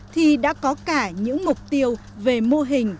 thì đã có cả những mục tiêu về mô hình